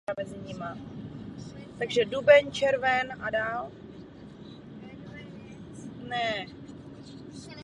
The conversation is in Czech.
Společně s těžbou dalších minerálů.